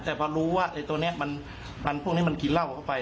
แต่พอรู้ว่าไอ้ตัวนี้มันพวกนี้มันกินเหล้าเข้าไป